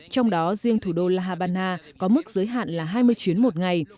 trong đó riêng thủ đô la habana có mức giới hạn là hai mươi chuyến một ngày